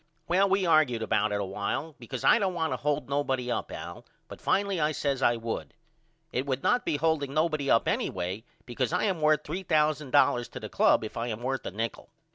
Well we argude about it a while because I don't want to hold nobody up Al but finally I says I would. It would not be holding nobody up anyway because I am worth $3000 to the club if I am worth a nichol.